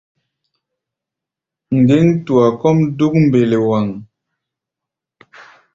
Ŋgéŋ-tua kɔ́ʼm dúk mbelewaŋ.